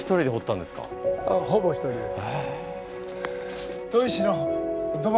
ほぼ１人です。